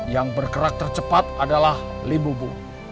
yang bergerak tercepat adalah limbu bu